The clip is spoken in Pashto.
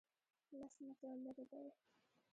لس متره لرې دی